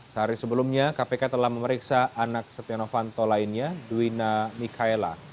sehari sebelumnya kpk telah memeriksa anak setia novanto lainnya duwina mikaela